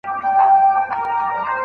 زه کولای شم کتاب ولولم.